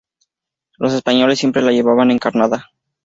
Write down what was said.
Los españoles siempre la llevaban encarnada.